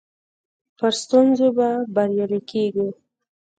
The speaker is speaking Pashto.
پر ستونزو به بريالي کيږو.